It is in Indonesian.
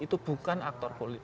itu bukan aktor politik